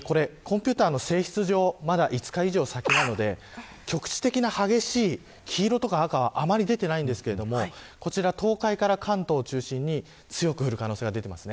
コンピューターの性質上まだ５日以上先なので局地的な激しい黄色とか赤はあまり出ていないのですが東海から関東を中心に強く降る可能性が出てきます。